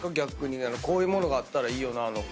こういう物があったらいいよなの。